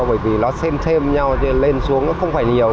bởi vì nó xem thêm nhau trên lên xuống nó không phải nhiều